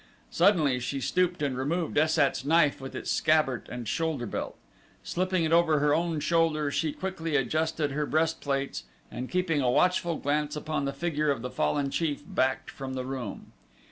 Suddenly she stooped and removed Es sat's knife with its scabbard and shoulder belt. Slipping it over her own shoulder she quickly adjusted her breastplates and keeping a watchful glance upon the figure of the fallen chief, backed from the room.